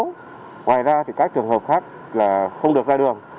ngoài ra các trường hợp khác không được ra đường